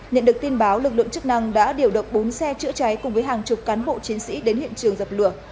nhận được tin báo lực lượng chức năng đã điều động bốn xe chữa cháy cùng với hàng chục cán bộ chiến sĩ đến hiện trường dập lửa